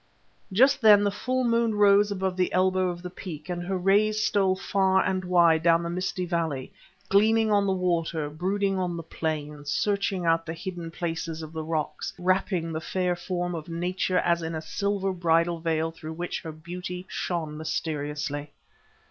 Just then the full moon rose above the elbow of the peak, and her rays stole far and wide down the misty valley, gleaming on the water, brooding on the plain, searching out the hidden places of the rocks, wrapping the fair form of nature as in a silver bridal veil through which her beauty shone mysteriously.